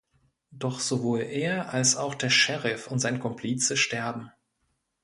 Doch sowohl er als auch der Sheriff und sein Komplize sterben.